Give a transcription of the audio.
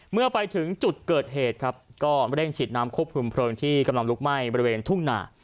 เมื่อไปถึงจุดเกิดเหตุครับก็เร่งฉีดน้ำควบคุมเพลิงที่กำลังลุกไหม้บริเวณทุ่งหนา